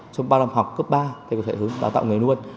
trong bao năm học cấp ba thì có thể hướng đào tạo nghề luôn